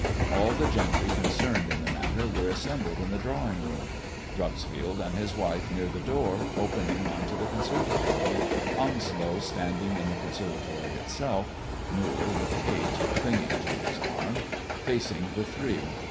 All the gentry concerned in the matter were assembled in the drawing room — Dreuxfield and his wife near the door opening on to the conservatory, Onslow standing in the conservatory itself, Kewall, with Kate clinging to his arm, facing the three.